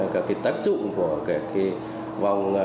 các tác dụng của